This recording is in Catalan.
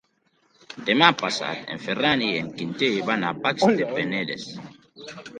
Demà passat en Ferran i en Quintí van a Pacs del Penedès.